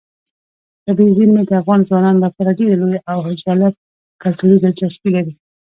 طبیعي زیرمې د افغان ځوانانو لپاره ډېره لویه او جالب کلتوري دلچسپي لري.